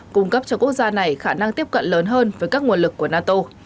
cung cấp cho quốc gia này khả năng tiếp cận lớn hơn với các nguồn lực của nato